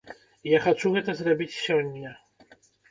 Я хачу гэта зрабіць сёння.